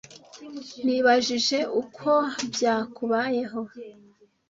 Nibajije uko byakubayeho.